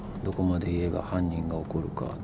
どこまで言えば犯人が怒るか。